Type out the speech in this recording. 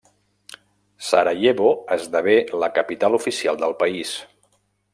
Sarajevo esdevé la capital oficial del país.